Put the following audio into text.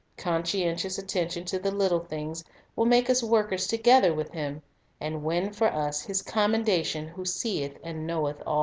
Conscientious attention to the little things will make us workers together with Him, and win for us His commendation who seeth and knoweth all.